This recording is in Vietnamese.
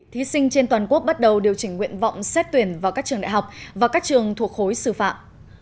thí sinh trên toàn quốc bắt đầu điều chỉnh nguyện vọng xét tuyển vào các trường đại học và các trường thuộc khối xử phạm